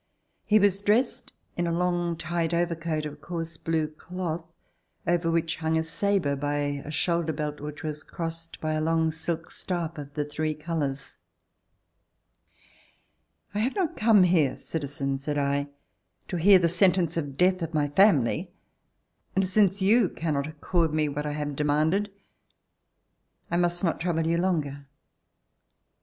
He was dressed in a long tight overcoat of coarse blue cloth, over which hung a sabre by a shoulder belt which was crossed by a long silk scarf of the three colors. "I have not come here, citizen," said I, "to hear the sentence of death of my family, and since you cannot accord me what I have de manded, I must not trouble you longer."